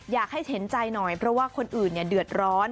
เห็นใจหน่อยเพราะว่าคนอื่นเดือดร้อน